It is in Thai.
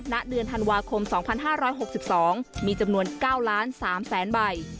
ณเดือนธันวาคมสองพันห้าร้อยหกสิบสองมีจำนวนเก้าร้านสามแสนใบ